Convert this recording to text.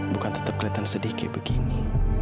bukan tetep keliatan sedih kayak begini